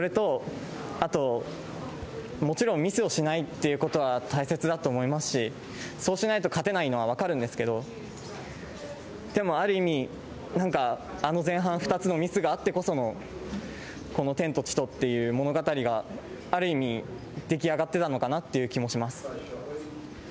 それと、あと、もちろんミスをしないっていうことは大切だと思いますし、そうしないと勝てないのは分かるんですけど、でもある意味、なんか、あの前半２つのミスがあってこその、この天と地とっていう物語が、ある意味、出来上がってたのかなっていう気もします。